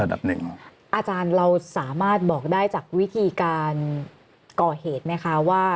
อาจารย์เราสามารถบอกได้จากวิธีการก่อเหตุไหมคะว่า